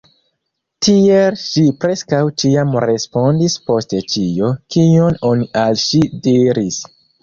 Tiel ŝi preskaŭ ĉiam respondis post ĉio, kion oni al ŝi diris.